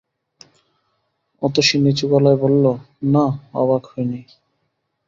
অতসী নিচু গলায় বলল, না, অবাক হই নি।